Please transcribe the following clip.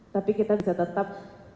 tapi kita bisa tetap